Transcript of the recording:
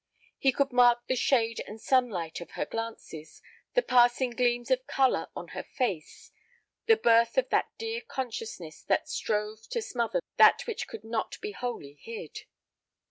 He could mark the shade and sunlight in her glances, the passing gleams of color on her face, the birth of that dear consciousness that strove to smother that which could not be wholly hid.